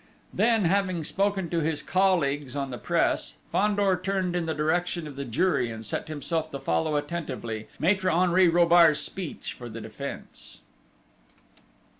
Then, having spoken to his colleagues on the press, Fandor turned in the direction of the jury and set himself to follow attentively Maître Henri Robart's speech for the defence.